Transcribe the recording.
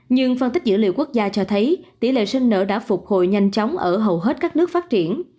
nhưng phân tích dữ liệu quốc gia cho thấy tỷ lệ sinh nở đã phục hồi nhanh chóng ở hầu hết các nước phát triển